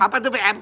apa itu pm